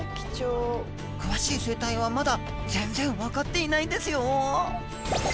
詳しい生態はまだ全然分かっていないんですよ